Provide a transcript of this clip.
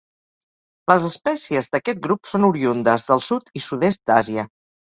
Les espècies d'aquest grup són oriündes del sud i sud-est d'Àsia.